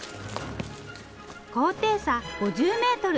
高低差５０メートル。